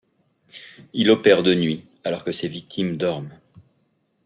Il opère de nuit alors que ses victimes dorment.